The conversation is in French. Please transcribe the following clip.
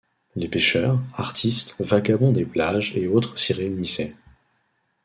Les pêcheurs, artistes, vagabonds des plages et autres s'y réunissaient.